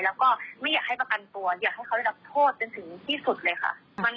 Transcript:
แล้วก็ไม่อยากให้ประกันตัวอยากให้เขาได้รับโทษจนถึงที่สุดเลยค่ะ